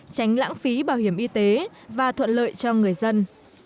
tránh lãng phí bảo hiểm y tế và thuận lợi cho người dân